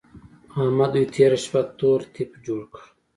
احمد دوی تېره شپه تور تيپ جوړ کړ.